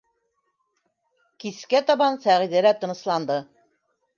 Кискә табан Сәғиҙә лә тынысланды.